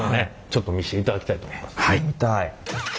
ちょっと見していただきたいと思います。